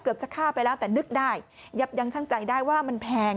เกือบจะข้าวไปแล้วแต่นึกได้ยังช่างใจได้ว่ามันแพง